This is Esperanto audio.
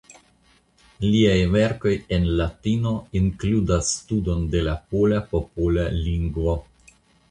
Liaj verkoj en Latino inkludas studon de la pola popola lingvo.